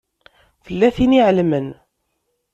Tella tin i ɛelmen.